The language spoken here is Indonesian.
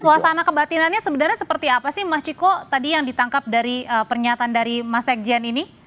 suasana kebatinannya sebenarnya seperti apa sih mas ciko tadi yang ditangkap dari pernyataan dari mas sekjen ini